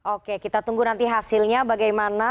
oke kita tunggu nanti hasilnya bagaimana